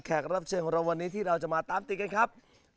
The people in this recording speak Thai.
รับเชิญของเราวันนี้ที่เราจะมาตามติดกันครับ